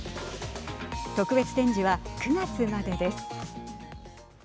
特別展示は９月までです。